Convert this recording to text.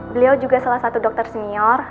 beliau juga salah satu dokter senior